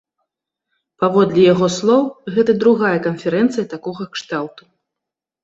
Паводле яе слоў, гэта другая канферэнцыя такога кшталту.